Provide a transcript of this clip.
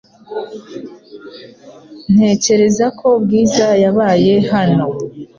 Ntekereza ko Bwiza yabaye hano .